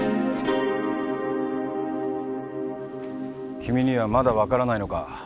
・君にはまだ分からないのか？